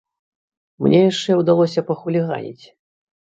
Мне яшчэ ўдалося пахуліганіць!